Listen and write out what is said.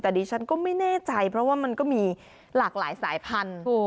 แต่ดิฉันก็ไม่แน่ใจเพราะว่ามันก็มีหลากหลายสายพันธุ์